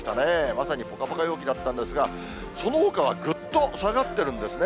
まさにぽかぽか陽気だったんですが、そのほかはぐっと下がってるんですね。